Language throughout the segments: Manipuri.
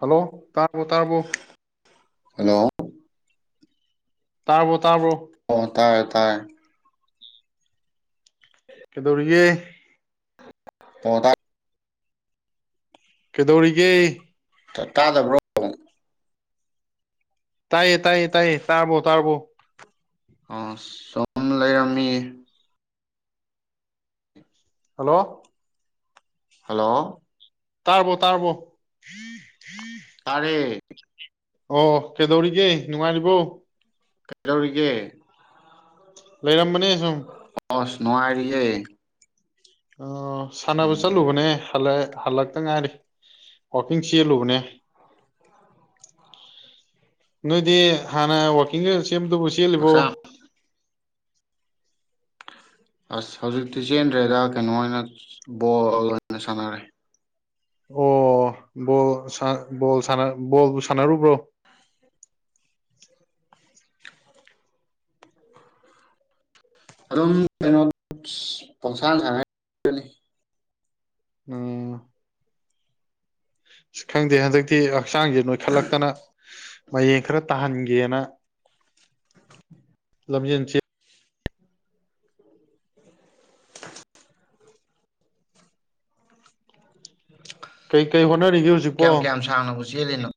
ꯍꯜꯂꯣ! ꯇꯥꯕꯔꯣ ꯇꯥꯔꯕꯣ? ꯍꯜꯂꯣ! ꯇꯔꯕꯣ? ꯑꯣ ꯇꯥꯏ꯫ ꯇꯥꯔꯦ꯫ ꯀꯩꯗꯧꯔꯤꯒꯦ? [unintelligible] ꯀꯩꯗꯧꯔꯤꯒꯦ? ꯇ ꯇꯥꯗꯕ꯭ꯔꯣ? ꯇꯥꯏꯌꯦ ꯇꯥꯏꯌꯦ ꯇꯥꯏꯌꯦ ꯇꯥꯔꯕꯣ ꯇꯥꯔꯕꯣ? ꯑ ꯁꯨꯝ ꯂꯩꯔꯝꯃꯤ꯫ ꯍꯜꯂꯣ! ꯍꯂꯣ! ꯇꯥꯔꯕꯣ- ꯇꯥꯔꯕꯣ? ꯀꯔꯦ [unintelligible] ꯑꯣ ꯀꯩꯗꯧꯔꯤꯒꯦ ꯅꯨꯡꯉꯥꯏꯔꯤꯕꯣ ꯀꯩꯗꯧꯔꯤꯒꯦ ꯂꯩꯔꯝꯕꯅꯦ ꯁꯨꯝ ꯑꯣꯁ ꯅꯉꯥꯏꯔꯤꯌꯦ ꯑꯣ ꯁꯥꯟꯅꯕ ꯆꯠꯂꯨꯕꯅꯦ ꯍꯜꯂꯛ ꯍꯜꯂꯛꯇ ꯉꯥꯏꯔꯤ ꯋꯥꯋꯥꯛꯀꯤꯡ ꯆꯦꯜꯂꯨꯕꯅꯦ ꯅꯣꯏꯗꯤ ꯍꯥꯟꯅ ꯋꯥꯋꯥꯛꯀꯤꯡꯒ ꯁꯦꯝꯗꯨꯕꯨ ꯆꯦꯜꯂꯤꯕꯣ ꯍꯛꯆꯥꯡ ꯑꯁ ꯍꯧꯖꯤꯛꯇꯤ ꯆꯦꯟꯗ꯭ꯔꯦꯗ ꯀꯩꯅꯣ ꯑꯣꯏꯅ ꯕꯣꯜ ꯑꯣꯏꯅ ꯁꯥꯟꯅꯔꯦ ꯑꯣꯣꯣ ꯕꯣꯜꯕꯨ ꯁꯥꯟꯅꯔꯨꯕ꯭ꯔꯣ ꯑꯗꯨꯝ ꯀꯩꯅꯣ ꯄꯪꯁꯥꯅꯅꯤ ꯎꯝ ꯈꯪꯗꯦ ꯍꯟꯗꯛꯇꯤ ꯑ ꯍꯛꯆꯥꯡꯁꯦ ꯅꯣꯏꯈꯠꯂꯛꯇꯅ ꯃꯌꯦꯡ ꯈꯔ ꯇꯥꯍꯟꯒꯦꯅ ꯂꯝꯖꯦꯟꯁꯤꯦ ꯀꯩ ꯀꯩ ꯍꯣꯠꯅꯔꯤꯒꯦ ꯍꯧꯖꯤꯛꯄꯣ ꯀꯌꯥꯝ ꯀꯌꯥꯝ ꯁꯥꯡꯅꯕꯨ ꯆꯦꯜꯂꯤꯅꯣ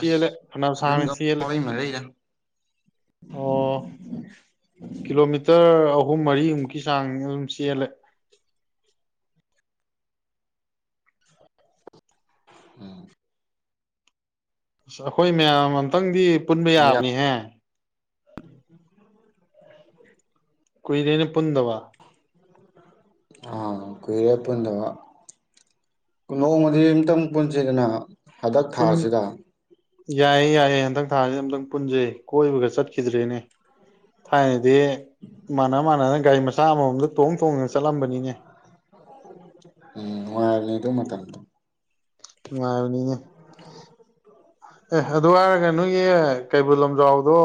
ꯑꯁ ꯐꯅ ꯁꯥꯥꯡꯅ ꯌꯨꯝꯗ ꯆꯦꯜꯂꯦ ꯃꯔꯩ ꯃꯔꯩꯗ ꯑꯣ ꯀꯤꯂꯣꯃꯤꯇꯔ ꯑꯍꯨꯝ ꯃꯔꯤ ꯒꯤ ꯆꯥꯡ ꯑꯗꯨꯝ ꯆꯦꯜꯂꯦ ꯎꯝ ꯑ ꯑꯩꯈꯣꯏ ꯃꯌꯥꯝ ꯑꯝꯇꯪꯗꯤ ꯄꯨꯟꯕ ꯌꯥꯝ ꯌꯥꯕꯅꯤꯍꯦ ꯀꯣꯏꯅꯦꯅꯦ ꯈꯨꯟꯗꯋꯥ ꯑꯥ ꯀꯨꯏꯔꯦ ꯄꯨꯟꯗꯕ ꯅꯣꯡꯃꯗꯤ ꯑꯝꯇꯪ ꯄꯨꯟꯁꯤꯗꯅ ꯍꯟꯗꯛ ꯊꯥꯁꯤꯗ ꯌꯥꯏꯌꯦꯦ ꯌꯥꯏꯌꯦꯦ ꯍꯟꯇꯛ ꯊꯥꯁꯤ ꯑꯝꯇꯪ ꯄꯨꯟꯁꯤꯩ ꯀꯣꯏꯕꯒ ꯆꯠꯈꯤꯗ꯭ꯔꯦꯅꯦ ꯊꯥꯏꯅꯗꯤ ꯏꯥꯟꯅ ꯃꯥꯟꯅꯅ ꯒꯥꯔꯤ ꯃꯆꯥ ꯃꯁꯥ ꯑꯃꯃꯝꯗ ꯇꯣꯡ ꯇꯣꯡꯗꯅ ꯆꯠꯂꯝꯕꯅꯤꯅꯦ ꯎꯝ ꯋꯥꯥꯏ ꯅꯗ ꯃ ꯉꯅꯤ ꯑꯦ ꯑꯗꯨ ꯍꯥꯏꯔꯒ ꯅꯣꯏꯒꯤ ꯀꯩꯕꯨꯜ ꯂꯝꯖꯥꯎꯗꯣ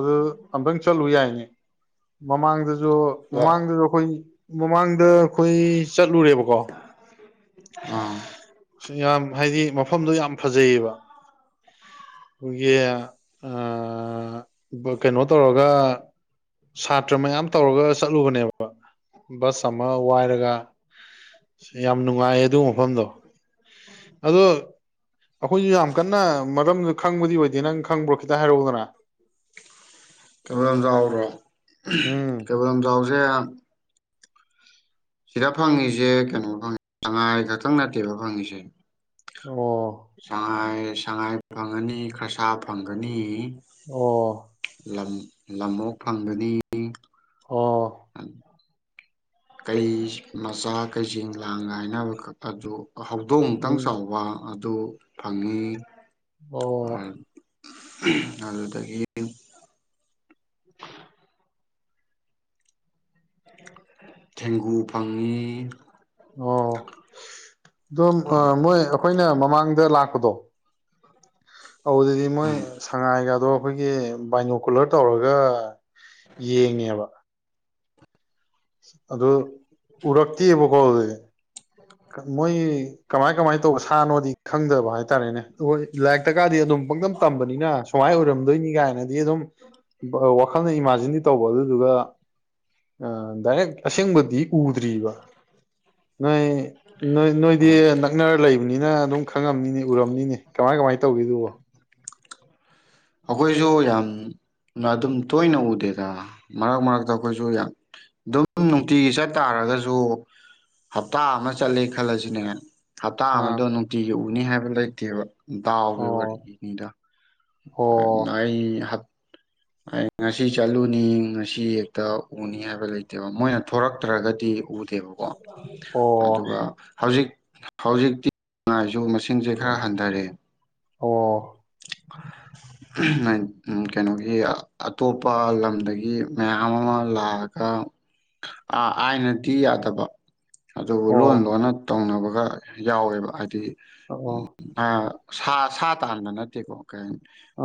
ꯑꯗꯨ ꯑꯝꯛꯇꯪ ꯆꯠꯂꯨ ꯌꯥꯏꯅꯦ ꯃꯃꯥꯡꯗ ꯑꯣ ꯑꯥ ꯃꯃꯥꯡꯗꯁꯨ ꯑꯩꯈꯣꯏ ꯃꯃꯥꯡꯗ ꯑꯩꯈꯣꯏ ꯆꯠꯂꯨꯔꯦꯕꯀꯣ ꯌꯥꯝ ꯍꯥꯏꯗꯤ ꯃꯐꯝꯗꯣ ꯌꯥꯝ ꯐꯖꯩꯌꯦꯕ ꯍꯧꯒ ꯑ ꯑ ꯀꯩꯅꯣ ꯇꯧꯔꯒ ꯁꯥꯇ꯭ꯔ ꯃꯌꯥꯝ ꯇꯧꯔꯒ ꯆꯠꯂꯨꯕꯅꯦꯕ ꯕꯁ ꯑꯃ ꯋꯥꯏꯔꯒ ꯌꯥꯝ ꯅꯨꯡꯉꯥꯏ ꯑꯗꯨ ꯃꯐꯝꯗꯣ ꯑꯗꯣ ꯑꯩꯈꯣꯏꯁꯨ ꯌꯥꯝ ꯀꯟꯅ ꯃꯔꯝꯗꯨ ꯈꯪꯕꯗꯤ ꯑꯣꯏꯗꯦ ꯅꯪ ꯈꯪꯕ꯭ꯔꯣ ꯈꯤꯇꯪ ꯍꯥꯏꯔꯎꯗꯅ ꯀꯕꯨ ꯂꯝ ꯌꯥꯥꯎꯔꯣ ꯎꯝ ꯀꯩꯕꯨ ꯂꯝ ꯑꯗꯨ ꯁꯤꯗ ꯐꯪꯉꯁꯦ ꯀꯩꯅꯣ ꯐꯪꯉꯦ ꯁꯉꯥꯏ ꯈꯛꯇꯪ ꯅꯠꯇꯦꯕ ꯐꯪꯉꯤꯁꯦ ꯑꯣ ꯁꯉꯥꯏ ꯁꯉꯥꯏ ꯐꯪꯒꯅꯤ ꯈ꯭ꯔꯁꯥ ꯐꯪꯒꯅꯤ ꯑꯣ ꯂ ꯂꯝꯍꯣꯛ ꯐꯪꯕꯗꯤ ꯑꯣꯥ ꯀꯩ ꯃꯆꯥ ꯀꯩꯁꯤꯡ ꯂꯥꯡ ꯉꯥꯏꯅꯕꯈꯛ ꯑꯗꯨ ꯍꯧꯗꯣꯡ ꯑꯃꯨꯛꯇꯪ ꯎꯝ ꯆꯥꯎꯕ ꯑꯗꯨ ꯐꯪꯉꯤ ꯑꯣ ꯑꯗꯨ ꯇꯗꯒꯤ [unintelligible] ꯊꯦꯡꯒꯨ ꯐꯪꯉꯤ ꯑꯣ ꯎꯝ ꯑꯣ ꯃꯣꯏ ꯑꯩꯈꯣꯏꯅ ꯃꯃꯥꯡꯗ ꯂꯥꯛ ꯀꯗꯣ ꯑꯗꯨꯗꯗꯤ ꯃꯣꯏ ꯁꯉꯥꯏꯒꯗꯣ ꯑꯩꯈꯣꯏꯒꯤ ꯕꯥꯏꯅꯣꯀꯨꯂꯔ ꯇꯧꯔꯒ ꯌꯦꯡꯉꯦꯕ ꯑꯗꯨꯗ ꯎꯔꯛꯇꯦꯕꯀꯣ ꯑꯗꯨꯗꯤ ꯃꯣꯏ ꯀꯃꯥꯏ ꯀꯃꯥꯏ ꯇꯧꯕ ꯁꯥꯅꯣꯗꯤ ꯈꯪꯗꯕ ꯍꯥꯏꯇꯥꯔꯦꯅꯦ ꯍꯣꯏ ꯂꯥꯏꯔꯤꯛꯇ ꯀꯥꯗꯤ ꯑꯗꯨꯝ ꯄꯪꯗꯝ ꯇꯝꯕꯅꯤꯅ ꯁꯨꯃꯥꯏ ꯑꯣꯏꯔꯝꯗꯣꯏꯅꯤ ꯀꯥꯏꯅꯗꯤ ꯑꯗꯨꯝ ꯋꯥꯈꯜꯅ ꯏꯃꯥꯖꯤꯟꯗꯤ ꯇꯧꯕ ꯑꯗꯨꯗꯨꯒ ꯑ ꯗꯥꯏꯔꯦꯛ ꯑꯁꯦꯡꯕꯗꯤ ꯎꯗ꯭ꯔꯤꯕ ꯅꯣꯏ ꯅꯣꯏ ꯅꯣꯏꯗꯤ ꯅꯛꯅꯔ ꯂꯩꯕꯅꯤꯅ ꯑꯗꯨꯝ ꯈꯪꯉꯝꯅꯤꯅꯤ ꯎꯔꯝꯅꯤꯅꯦ ꯀꯃꯥꯏ ꯀꯃꯥꯏꯅ ꯇꯧꯒꯦꯗꯨꯕꯣ [unintelligible] ꯑꯩꯈꯣꯏꯁꯨ ꯌꯥꯝ ꯑꯗꯨꯝ ꯇꯣꯏꯅ ꯎꯗꯦꯗ ꯃꯔꯛ ꯃꯔꯛꯇ ꯑꯩꯈꯣꯏꯁꯨ ꯑꯗꯨꯝ ꯅꯨꯡꯇꯤꯒꯤ ꯆꯠ ꯇꯥꯔꯒꯁꯨ ꯍꯞꯇꯥ ꯑꯃ ꯆꯠꯂꯦ ꯈꯜꯂꯁꯤꯅꯦ ꯍꯞꯇꯥ ꯑꯥ ꯑꯃꯗꯣ ꯅꯨꯡꯇꯤꯒꯤ ꯎ ꯀꯅꯤ ꯍꯥꯏꯕ ꯂ ꯂꯩꯗꯤ ꯗꯥꯎꯕꯤ ꯑꯣ ꯋꯥꯔꯤꯔꯤ ꯏꯅꯤꯗ ꯑꯣ ꯅ ꯍꯥꯞ ꯑꯩ ꯉꯁꯤ ꯆꯠꯂꯨꯅꯤ ꯉꯁꯤ ꯍꯦꯛꯇ ꯎꯅꯤ ꯍꯥꯏꯕ ꯂꯩꯇꯦꯕ ꯃꯣꯏꯅ ꯊꯣꯔꯛꯇ꯭ꯔꯒꯗꯤ ꯎꯗꯦꯕꯀꯣ ꯑꯣ ꯑꯗꯨꯒ ꯍꯧꯖꯤꯛ ꯍꯧꯖꯤꯛꯇꯤ ꯅꯨꯡꯉꯥꯏꯁꯨ ꯃꯁꯤ ꯁꯤꯡꯁꯦ ꯈꯔ ꯍꯟꯊꯔꯛꯑꯦ ꯑꯣ ꯑꯝ ꯀꯩꯅꯣꯒꯤ ꯑꯇꯣꯞꯄ ꯂꯝꯗꯒꯤ ꯃꯌꯥꯝ ꯑꯃ ꯂꯥꯛꯑꯒ ꯑꯥ ꯑꯥꯏꯅꯗꯤ ꯌꯥꯗꯕ ꯑꯗꯨꯕꯨ ꯑꯣ ꯂꯣꯟ ꯂꯣꯟꯅ ꯇꯧꯅꯕ ꯈ ꯌꯥꯎꯔꯦꯕ ꯍꯥꯏꯗꯤ ꯑꯣ ꯑ ꯁꯥ ꯁꯥ ꯇꯥꯟꯅꯅꯠ ꯇꯦꯀꯣ ꯀꯩ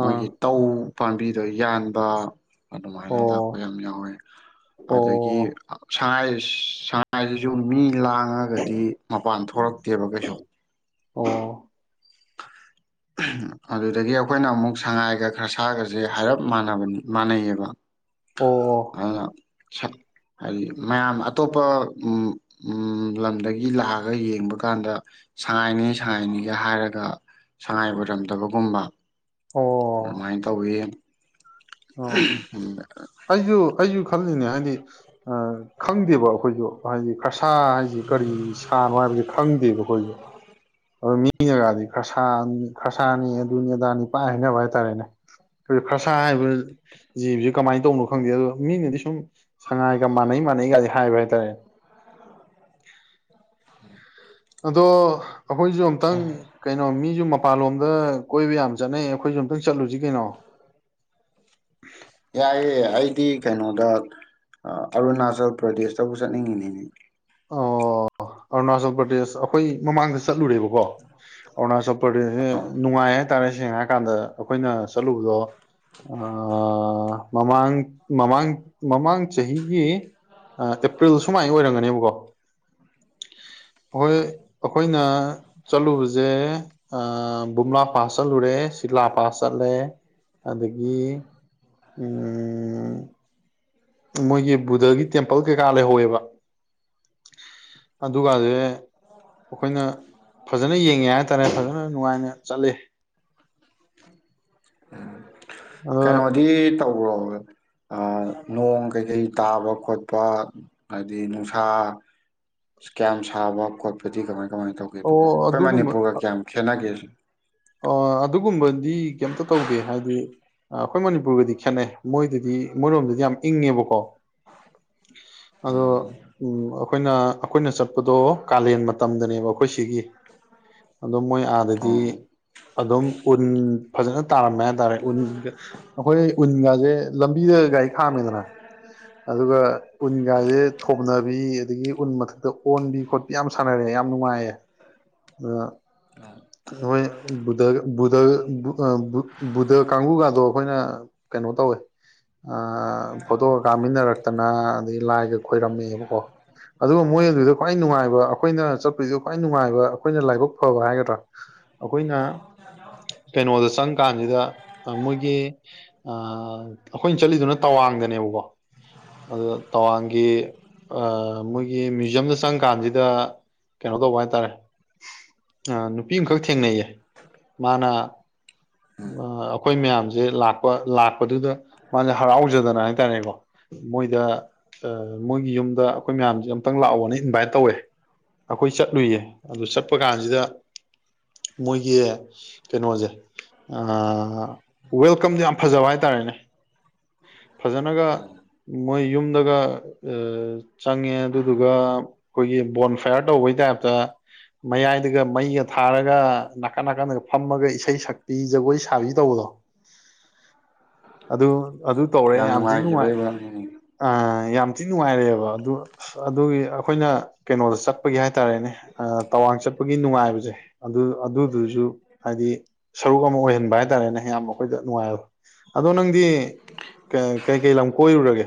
ꯃꯣꯏꯒꯤ ꯇꯧ ꯄꯥꯝꯕꯤꯗꯣ ꯌꯥꯟꯕ ꯑꯗꯨꯃꯥꯏꯅ ꯂꯥꯛꯄ ꯑꯣ ꯌꯥꯝ ꯌꯥꯎꯋꯦ ꯑꯗꯒꯤ ꯑꯣ ꯁꯥꯏ ꯁꯥꯏꯗꯁꯨ ꯃꯤ ꯂꯥꯡꯉꯒꯗꯤ ꯃꯄꯥꯟ ꯊꯣꯛꯔꯛꯇꯦꯕ ꯀꯩꯁꯨ ꯑꯣ ꯑꯝ ꯑꯗꯨꯗꯒꯤ ꯑꯩꯈꯣꯏꯅ ꯑꯃꯨꯛ ꯁꯉꯥꯏꯒ ꯈꯥꯁꯤ ꯁꯥꯒꯁꯦ ꯍꯥꯏꯔꯞ ꯃꯥꯟꯅꯕꯅꯤ ꯃꯥꯟꯅꯩꯌꯦꯕ ꯑꯣ ꯑꯗꯨꯅ ꯁꯠ ꯍꯥꯏꯗꯤ ꯃꯌꯥꯝ ꯑꯇꯣꯞꯄ ꯑꯝ ꯑꯝ ꯂꯝꯗꯒꯤ ꯂꯥꯛꯑꯒ ꯌꯦꯡꯕ ꯀꯥꯟꯗ ꯁꯥꯉꯥꯏꯅꯤ ꯁꯥꯉꯏꯅꯤꯒ ꯍꯥꯏꯔꯒ ꯁꯉꯥꯏ ꯑꯣꯏꯔꯝꯗꯕꯒꯨꯝꯕ ꯑꯣ ꯑꯗꯨꯃꯥꯏꯅ ꯇꯧꯋꯤ ꯑꯝ ꯍ ꯑꯩꯖꯨ ꯈꯜꯂꯤꯅꯦ ꯍꯥꯏꯗꯤ ꯑ ꯈꯪꯗꯦꯕ ꯑꯩꯈꯣꯏꯁꯨ ꯍꯥꯏꯗꯤ ꯀꯁꯥ ꯍꯥꯏꯖꯤ ꯀꯔꯤ ꯁꯥꯅꯣ ꯍꯥꯏꯕꯖꯤ ꯈꯪꯗꯦꯕꯀꯣ ꯑꯩꯁꯤ ꯑꯗꯨ ꯃꯤꯅꯒꯥꯗꯤ ꯈꯔꯁꯥ ꯈꯁꯥꯅꯤ ꯑꯗꯨꯅꯤ ꯑꯗꯥꯅꯤ ꯄꯥꯏ ꯍꯥꯏꯅꯕ ꯍꯥꯏꯇꯥꯔꯦꯅꯦ ꯀꯔꯤ ꯈꯁꯥ ꯍꯥꯏꯔꯤꯕ ꯖꯤꯕꯁꯤ ꯀꯃꯥꯏ ꯇꯧꯕꯅꯣ ꯈꯪꯗꯦ ꯑꯗꯣ ꯃꯤꯅꯗꯤ ꯁꯨꯝ ꯁꯉꯥꯏꯒ ꯃꯥꯟꯅꯩ ꯃꯥꯟꯅꯩꯒꯗꯤ ꯍꯥꯏꯕ ꯍꯥꯏꯇꯥꯔꯦꯅꯦ ꯑꯗꯣ ꯑꯩꯈꯣꯏꯁꯨ ꯑꯝꯇꯪ ꯀꯩꯅꯣ ꯃꯤꯁꯨ ꯃꯄꯥꯟꯂꯣꯝꯗ ꯀꯣꯏꯕ ꯌꯥꯝ ꯆ ꯆꯠꯅꯩꯌꯦ ꯑꯩꯈꯣꯏꯁꯨ ꯑꯝꯇꯪ ꯆꯠꯂꯨꯁꯤ ꯀꯩꯅꯣ ꯌꯥꯏꯑꯦ ꯑꯩꯗꯤ ꯀꯩꯅꯣꯗ ꯑ ꯑꯔꯨꯅꯥꯆꯜ ꯄ꯭ꯔꯗꯦꯁꯇꯕꯨ ꯆꯠꯅꯤꯡꯉꯤꯅꯤꯅꯦ ꯑꯣ ꯑꯔꯨꯅꯥꯆꯜ ꯄ꯭ꯔꯗꯦꯁ ꯑꯩꯈꯣꯏ ꯃꯃꯥꯡꯗ ꯆꯠꯂꯨꯔꯦꯕꯀꯣ ꯑꯔꯨꯅꯥꯆꯜ ꯄꯁꯦ ꯅꯨꯡꯉꯥꯏ ꯍꯥꯏꯇꯥꯔꯦ ꯁꯦꯡꯅ ꯍꯥꯏ ꯀꯥꯟꯗ ꯑꯩꯈꯣꯏꯅ ꯆꯠꯂꯨꯕꯗꯣ ꯃꯃꯥꯡ ꯃꯃꯥꯡ ꯃꯃꯥꯡ ꯆꯍꯤꯒꯤ ꯑꯦꯄ꯭ꯔꯤꯜ ꯁꯨꯃꯥꯏꯅ ꯑꯣꯏꯔꯝꯒꯅꯦꯕꯀꯣ ꯑꯩꯈꯣꯏ ꯑꯩꯈꯣꯏꯅ ꯆꯠꯂꯨꯕꯁꯦ ꯕꯝꯂꯥ ꯄꯥꯁ ꯆꯠꯂꯨꯔꯦ ꯁꯤꯂꯥ ꯄꯥꯁ ꯆꯠꯂꯦ ꯑꯗꯒꯤ ꯃꯣꯏꯒꯤ ꯕꯨꯙꯒꯤ ꯇꯦꯝꯄꯜ ꯀꯩꯀꯥ ꯂꯩꯍꯧꯋꯦꯕ ꯑꯗꯨꯒꯁꯦ ꯑꯩꯈꯣꯏꯅ ꯐꯖꯅ ꯌꯦꯡꯉꯦ ꯍꯥꯏꯇꯥꯔꯦ ꯐꯖꯅ ꯅꯨꯡꯉꯥꯏꯅ ꯆꯠꯂ ꯑꯗ ꯀꯩꯅꯣꯗꯤ ꯇꯧ ꯎꯔꯛ ꯅꯣꯡ ꯀꯩ ꯀꯩ ꯇꯥꯕ ꯈꯣꯠꯄ ꯍꯥꯏꯗꯤ ꯅꯨꯡꯁꯥ ꯀꯌꯥꯝ ꯁꯥꯕ ꯈꯣꯠꯄꯗꯤ ꯀꯃꯥꯏ ꯀꯃꯥꯏꯅ ꯇꯧꯒꯦ ꯑꯣ ꯑꯗꯨꯕꯨ ꯑꯩꯈꯣꯏ ꯑꯗꯨꯒꯨꯝꯕ ꯃꯅꯤꯄꯨꯔꯒ ꯀꯌꯥꯝ ꯈꯦꯠꯅꯒꯦꯁ ꯑꯗꯨꯒꯨꯝꯕꯗꯤ ꯀꯩꯝꯇ ꯇꯧꯗꯦ ꯍꯥꯏꯗꯤ ꯑꯩꯈꯣꯏ ꯃꯅꯤꯄꯨꯔꯒꯗꯤ ꯈꯦꯠꯅꯩ ꯃꯣꯏꯗꯗꯤ ꯃꯣꯏꯔꯣꯝꯗꯗꯤ ꯌꯥꯝ ꯏꯪꯉꯦꯕꯀꯣ ꯑꯗꯣ ꯑꯩꯈꯣꯏꯅ ꯑꯩꯈꯣꯏꯅ ꯆꯠꯄꯗꯣ ꯀꯥꯂꯦꯟ ꯃꯇꯝꯗꯅꯦꯕ ꯑꯩꯈꯣꯏ ꯁꯤꯒꯤ ꯑꯗꯣ ꯃꯣꯏ ꯑꯥꯗꯗꯤ ꯑꯣ ꯑꯗꯨꯝ ꯎꯟ ꯐꯖꯅ ꯇꯥꯔꯝꯃꯦ ꯍꯥꯏꯇꯥꯔꯦ ꯎꯟꯒ ꯑꯩꯈꯣꯏ ꯎꯟꯒꯥꯁꯦ ꯂꯝꯕꯤꯗ ꯒꯥꯔꯤ ꯈꯥꯝꯃꯦꯗꯅ ꯑꯗꯨꯒ ꯎꯟꯒꯁꯦ ꯊꯣꯅꯕꯤ ꯑꯗꯒꯤ ꯎꯟ ꯃꯊꯛꯇ ꯑꯣꯟꯕꯤ ꯈꯣꯠꯄꯤ ꯌꯥꯝ ꯁꯥꯟꯅꯔꯦ ꯌꯥꯝ ꯅꯨꯡꯉꯥꯏꯌꯦ ꯑ ꯅꯣꯏ ꯕꯨꯙ ꯀꯥꯡꯕꯨꯒꯗꯣ ꯑꯩꯈꯣꯏꯅ ꯀꯩꯅꯣ ꯇꯧꯋꯦ ꯐꯣꯇꯣꯒ ꯀꯥꯃꯤꯟꯅꯔꯛꯇꯅ ꯑꯗꯗꯒꯤ ꯂꯥꯏꯒ ꯈꯣꯏꯔꯝꯃꯦꯕꯀꯣ ꯑꯗꯨꯒ ꯃꯣꯏ ꯑꯗꯨꯗ ꯈ꯭ꯋꯥꯏ ꯅꯨꯡꯉꯥꯏꯕ ꯑꯩꯈꯣꯏꯅ ꯆꯠꯄꯗꯣ ꯈ꯭ꯋꯥꯏ ꯅꯨꯡꯉꯥꯏꯕ ꯑꯩꯈꯣꯏꯅ ꯂꯥꯏꯕꯛ ꯐꯕ ꯍꯥꯏꯒꯗ꯭ꯔꯥ ꯑꯩꯈꯣꯏꯅ ꯀꯩꯅꯣꯗ ꯆꯪ ꯀꯥꯟꯁꯤꯗ ꯃꯣꯏꯒꯤ ꯑꯩꯈꯣꯏꯅ ꯆꯠꯂꯤꯗꯨꯅ ꯇꯋꯥꯡꯗꯅꯦꯕꯀꯣ ꯑꯗ ꯇꯋꯥꯡꯒꯤ ꯃꯣꯏꯒꯤ ꯃ꯭ꯌꯨꯖ꯭ꯌꯝꯗ ꯆꯪ ꯀꯥꯟꯁꯤꯗ ꯀꯩꯅꯣ ꯇꯧꯕ ꯍꯥꯏꯇꯥꯔꯦ ꯅꯨꯄꯤ ꯑꯃꯈꯛ ꯊꯦꯡꯅꯩꯌꯦ ꯃꯥꯅ ꯑꯩꯈꯣꯏ ꯃꯌꯥꯝꯁꯦ ꯂꯥꯛꯄ ꯂꯥꯛꯄꯗꯨꯗ ꯃꯥꯁꯦ ꯍꯔꯥꯎꯖꯗꯅ ꯍꯥꯏꯇꯥꯥꯔꯦꯀꯣ ꯃꯣꯏꯗ ꯃꯣꯏꯒꯤ ꯌꯨꯝꯗ ꯑꯩꯈꯣꯏ ꯃꯌꯥꯝꯁꯦ ꯑꯨꯛꯇꯪ ꯂꯥꯛꯑꯣꯅ ꯏꯟꯚꯥꯏꯠ ꯇꯧꯋꯦ ꯑꯩꯈꯣꯏ ꯆꯠꯂꯨꯏꯌꯦ ꯑꯗꯨ ꯆꯠꯄ ꯀꯥꯟꯁꯤꯗ ꯃꯣꯏꯒꯤ ꯀꯩꯅꯣꯁꯦ ꯑ ꯋꯦꯜꯀꯝꯁ ꯌꯥꯝ ꯐꯖꯕ ꯍꯥꯏꯇꯥꯔꯦꯅꯦ ꯐꯖꯅꯒ ꯃꯣꯏ ꯌꯨꯝꯗꯒ ꯆꯪꯉꯦ ꯑꯗꯨꯗꯨꯒ ꯑꯩꯈꯣꯏꯒꯤ ꯕꯣꯟ ꯐꯌꯥꯔ ꯇꯧꯕꯩ ꯇꯥꯏꯞꯇ ꯃꯌꯥꯏꯗꯒ ꯃꯩꯒ ꯊꯥꯔꯒ ꯅꯥꯀꯟ ꯅꯥꯀꯟꯗꯒ ꯐꯝꯃꯒ ꯏꯁꯩ ꯁꯛꯇꯄꯤ ꯖꯒꯣꯏ ꯁꯥꯕꯤ ꯇꯧꯕꯗꯣ ꯑꯗꯨ ꯑꯗꯨ ꯇꯧꯔꯦ ꯌꯥꯝ ꯊꯤ ꯅꯨꯡꯉꯥꯏ ꯅꯨꯡꯉꯥꯏꯈꯤꯕꯩ ꯋꯥꯔꯤꯅꯤ ꯑ ꯌꯥꯝ ꯊꯤ ꯅꯨꯡꯉꯥꯏꯔꯛꯑꯦꯕ ꯑꯗꯨ ꯑꯗꯨꯒꯤ ꯑꯩꯈꯣꯏꯅ ꯀꯩꯅꯣꯗ ꯆꯠꯄꯒꯤ ꯍꯥꯏꯇꯥꯔꯦꯅꯦ ꯇꯋꯥꯡ ꯆꯠꯄꯒꯤ ꯅꯨꯡꯉꯥꯏꯕꯁꯦ ꯑꯗꯨ ꯑꯗꯨꯗꯨꯁꯨ ꯍꯥꯏꯗꯤ ꯁꯔꯨꯛ ꯑꯃ ꯑꯣꯏꯍꯟꯕ ꯍꯥꯏꯇꯥꯔꯦꯅꯦ ꯌꯥꯝꯌꯥꯝ ꯑꯩꯈꯣꯏꯗ ꯅꯨꯡꯉꯥꯏꯕ ꯑꯗꯣ ꯅꯪꯗꯤ ꯀꯩꯀꯩ ꯂꯝ ꯀꯣꯏꯔꯨꯔꯒꯦ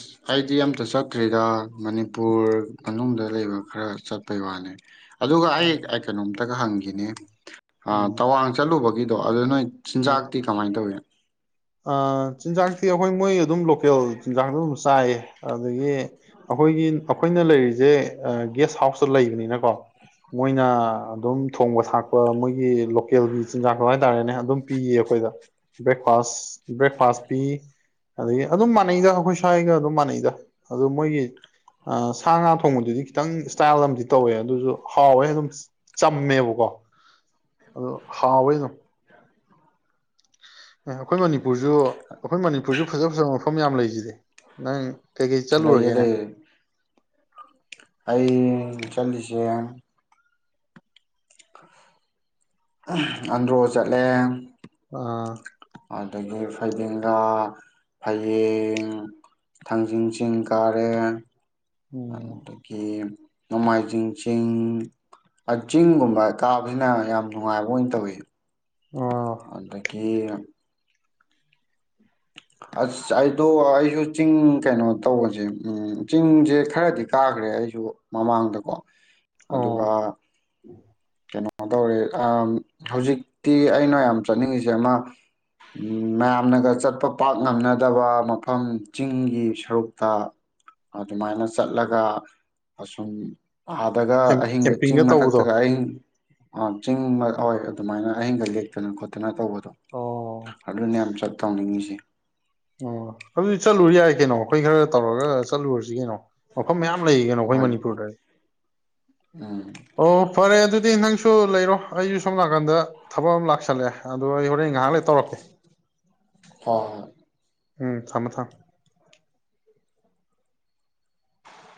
ꯑꯁ ꯑꯩꯗꯤ ꯑꯝꯇ ꯆꯠꯇ꯭ꯔꯤꯗ ꯃꯅꯤꯄꯨꯔ ꯃꯅꯨꯡꯗ ꯂꯩꯕ ꯈꯔ ꯆꯠꯄꯩ ꯋꯥꯅꯤ ꯑꯗꯨꯒ ꯍꯥꯏ ꯎꯝ ꯀꯩꯅꯣꯝ ꯇꯒ ꯍꯪꯈꯤꯅꯦ ꯑ ꯇꯋꯥꯡ ꯆꯠꯂꯨꯕꯒꯤ ꯣ ꯑꯗꯨ ꯅꯣꯏ ꯑ ꯆꯤꯟꯖꯥꯛꯇꯤ ꯀꯃꯥꯏꯅ ꯇꯧꯏꯤ ꯑ ꯆꯤꯟꯖꯥꯛꯇꯤ ꯑꯩꯈꯣꯏ ꯃꯣꯏ ꯑꯗꯨꯝ ꯂꯣꯀꯦꯜ ꯆꯤꯟꯖꯥꯛꯇꯣ ꯑꯗꯨꯝ ꯆꯥꯏꯌꯦ ꯑꯗꯒꯤ ꯑꯩꯈꯣꯏꯒꯤ ꯑꯩꯈꯣꯏꯅ ꯂꯩꯔꯤꯁꯦ ꯒꯦꯁ ꯍꯥꯎꯁꯇ ꯂꯩꯕꯅꯤꯅꯀꯣ ꯃꯣꯏꯅ ꯑꯗꯨꯝ ꯊꯣꯡꯕ ꯊꯥꯛꯄ ꯃꯣꯏꯒꯤ ꯂꯣꯀꯦꯜꯒꯤ ꯆꯤꯟꯖꯥꯛꯇꯣ ꯍꯥꯏꯇꯥꯔꯦꯅꯦ ꯑꯗꯨꯝ ꯄꯤꯌꯦ ꯑꯩꯈꯣꯏꯗ ꯕ꯭ꯔꯦꯛꯐꯥꯁ ꯕ꯭ꯔꯦꯛꯐꯥꯁ ꯄꯤ ꯑꯗꯒꯤ ꯑꯗꯨꯝ ꯃꯥꯟꯅꯩꯗ ꯑꯩꯈꯣꯏ ꯁ꯭ꯋꯥꯏꯒ ꯑꯗꯨꯝ ꯃꯥꯟꯅꯩꯗ ꯑꯗꯨ ꯃꯣꯏꯒꯤ ꯁꯥ ꯉꯥ ꯊꯣꯡꯕꯗꯨꯗꯤ ꯈꯤꯇꯪ ꯏꯁꯇꯥꯏꯜ ꯑꯃꯗꯤ ꯇꯧꯋꯦ ꯑꯗꯨꯁꯨ ꯍꯥꯎꯋꯦ ꯑꯗꯨꯝ ꯆꯝꯃꯦꯕꯀꯣ ꯑꯗꯨ ꯍꯥꯎꯋꯦ ꯑꯗꯨꯝ ꯑꯩꯈꯣꯏ ꯃꯅꯤꯄꯨꯔꯁꯨ ꯑꯩꯈꯣꯏ ꯃꯅꯤꯄꯨꯔꯁꯨ ꯐꯖ ꯐꯖꯕ ꯃꯐꯝ ꯌꯥꯝ ꯂꯩꯁꯤꯗꯤ ꯅꯪ ꯀꯩꯀꯩ ꯂꯩꯌꯦ ꯆꯠꯂꯨꯔꯒꯦꯅꯦ ꯂꯩꯌꯦ ꯑꯩ ꯆꯠꯂꯤꯁꯦ ꯑꯟꯗ꯭ꯔꯣ ꯆꯠꯂꯦ ꯑꯥ ꯑꯗꯨꯗꯒꯤ ꯐꯩꯗꯦꯡꯒꯥ ꯐꯌꯦꯡ ꯊꯥꯡꯖꯤꯡ ꯆꯤꯡ ꯀꯥꯔꯦ ꯑꯣ ꯑꯗꯗꯒꯤ ꯅꯣꯡꯃꯥꯏꯖꯤꯡ ꯆꯤꯡ ꯆꯤꯡꯒꯨꯝꯕ ꯀꯥꯕꯁꯤꯅ ꯌꯥꯝ ꯅꯨꯡꯉꯥꯏꯕ ꯑꯣꯏꯅ ꯇꯧꯋꯤ ꯑꯣ ꯑꯗꯒꯤꯗꯒꯤ ꯑꯁ ꯑꯩꯗꯣ ꯑꯩꯁꯨ ꯆꯤꯡ ꯀꯩꯅꯣ ꯇꯧꯕꯁꯦ ꯆꯤꯡꯁꯦ ꯈꯔꯗꯤ ꯀꯥꯈ꯭ꯔꯦ ꯑꯩꯁꯨ ꯃꯃꯥꯡꯗꯀꯣ ꯑꯗꯨꯒ ꯑꯣ ꯀꯩꯅꯣ ꯇꯧꯔꯦ ꯍꯧꯖꯤꯛꯇꯤ ꯑꯩꯅ ꯌꯥꯝ ꯆꯠꯅꯤꯡꯉꯤꯁꯦ ꯑꯃ ꯃꯌꯥꯝꯅꯒ ꯆꯠꯄ ꯄꯥꯛ ꯉꯝꯅꯗꯕ ꯃꯐꯝ ꯆꯤꯡꯒꯤ ꯁꯔꯨꯛꯇ ꯑꯗꯨꯃꯥꯏꯅ ꯆꯠꯂꯒ ꯑꯁꯨꯝ ꯑꯥꯗꯒ ꯀꯦꯝ ꯑꯍꯤꯡꯒ ꯆꯤꯡ ꯀꯦꯝꯄꯤꯡꯒ ꯇꯧꯕꯗꯣ ꯃꯊꯛꯇꯒ ꯑꯍꯤꯡ ꯑ ꯆꯤꯡ ꯍꯣꯏ ꯑꯗꯨꯃꯥꯏꯅ ꯑꯍꯤꯡꯒ ꯂꯦꯛꯇꯅ ꯈꯣꯠꯇꯅ ꯇꯧꯕꯗꯣ ꯑꯣ ꯑꯗꯨꯅꯦ ꯌꯥꯝ ꯆꯠ ꯇꯧꯅꯤꯡꯉꯤꯁꯦ ꯑꯣ ꯑꯗꯨ ꯆꯠꯂꯨꯔ ꯌꯥꯏ ꯀꯩꯅꯣ ꯑꯩꯈꯣꯏ ꯈꯔ ꯇꯧꯔꯒ ꯆꯠꯂꯨꯔꯁꯤ ꯀꯩꯅꯣ ꯃꯐꯝ ꯃꯌꯥꯝ ꯂꯩꯒꯅꯣ ꯑꯩꯈꯣꯏ ꯍꯣꯏ ꯃꯅꯤꯄꯨꯔꯗ ꯎꯝ ꯑꯣ ꯐꯔꯦ ꯑꯗꯨꯗꯤ ꯅꯪ ꯁꯨ ꯂꯩꯔꯣ ꯑꯩꯁꯨ ꯁꯣꯝ ꯅꯥꯀꯗ ꯊꯕꯛ ꯑꯃ ꯂꯥꯛꯁꯜꯂꯦ ꯑꯗꯣ ꯑꯩ ꯍꯣꯔꯦꯟ ꯉꯥꯏꯍꯥꯛ ꯂꯩꯇꯦ ꯇꯧꯔꯛꯀꯦ ꯍ ꯎꯝ ꯊꯃ ꯊꯝ